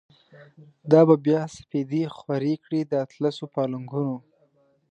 دا به بیا سپیدی خوری کړی، داطلسو پالنګونو